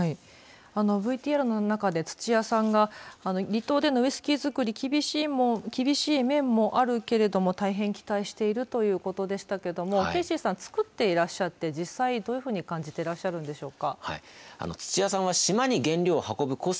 ＶＴＲの中で土屋さんが離島でのウイスキー造り厳しい面もあるけども大変期待しているということでしたけれどもケイシーさんは造っていて実際どういうふうに感じているんでしょうか。